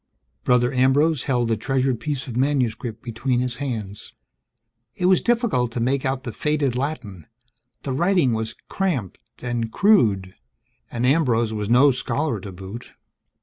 Brother Ambrose held the treasured piece of manuscript between his hands. It was difficult to make out the faded Latin; the writing was cramped and crude, and Ambrose was no scholar to boot.